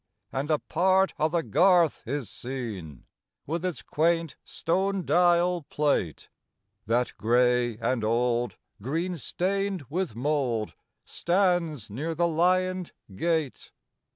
And a part o' the garth is seen, With its quaint stone dial plate, That, gray and old, green stained with mold, Stands near the lioned gate.